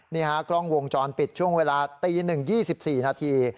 นี่ครับเมื่อกล้องวงจรปิดช่วงเวลาตี๑๒๔นาที